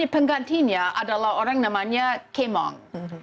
penggantinya adalah orang namanya k mong